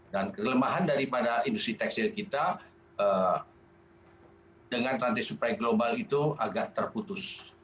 dan kelemahan daripada industri tekstil kita dengan rantai suplai global itu agak terputus